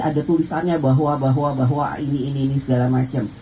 ada tulisannya bahwa bahwa ini ini ini segala macam